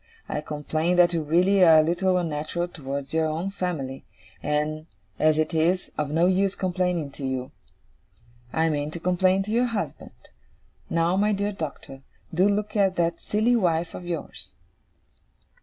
I complain that you really are a little unnatural towards your own family; and, as it is of no use complaining to you. I mean to complain to your husband. Now, my dear Doctor, do look at that silly wife of yours.